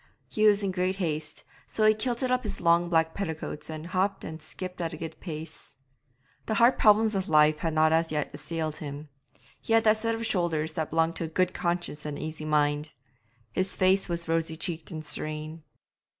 He was in great haste, so he kilted up his long black petticoats and hopped and skipped at a good pace. The hard problems of life had not as yet assailed him; he had that set of the shoulders that belongs to a good conscience and an easy mind; his face was rosy cheeked and serene.